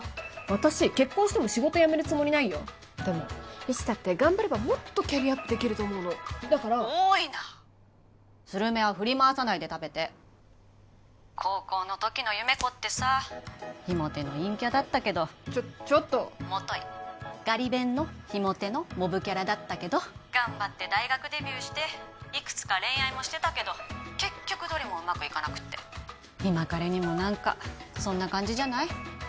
私結婚しても仕事辞めるつもりないよでも一太って頑張ればもっとキャリアアップできると思うのだから多いなするめは振り回さないで食べて高校のときの優芽子ってさ非モテの陰キャだったけどちょちょっともといガリ勉の非モテのモブキャラだったけど頑張って大学デビューしていくつか恋愛もしてたけど結局どれもうまくいかなくって今彼にも何かそんな感じじゃない？